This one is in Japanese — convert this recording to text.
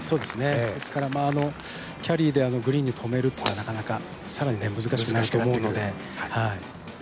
ですから、キャリーでグリーンに止めるっていうのは更に難しくなってくると思うので。